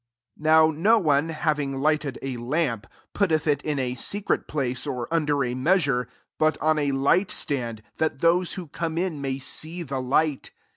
53 u Now no one, having light ed a lamp, putteth ii in a secret pUicCf or under a measure, but on a light stand; that those who come in may see the light.